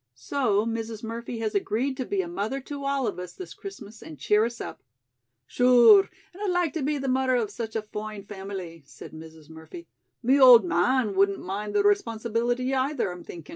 So, Mrs. Murphy has agreed to be a mother to all of us this Christmas and cheer us up." "Shure, and I'd like to be the mother of such a foine family," said Mrs. Murphy. "Me old man wouldn't mind the responsibility, either, I'm thinkin'."